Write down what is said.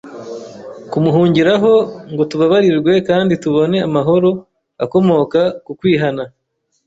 kumuhungiraho ngo tubabarirwe kandi tubone amahoro akomoka ku kwihana